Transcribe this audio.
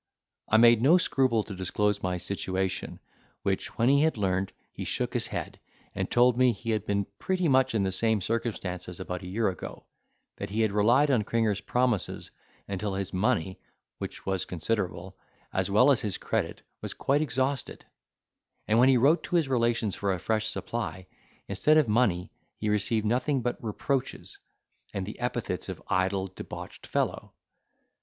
I made no scruple to disclose my situation, which, when he had learned, he shook his head, and told me he had been pretty much, in the same circumstances about a year ago: that he had relied on Cringer's promises, until his money (which was considerable) as well as his credit, was quite exhausted; and when he wrote to his relations for a fresh supply, instead of money he received nothing but reproaches, and the epithets of idle, debauched fellow.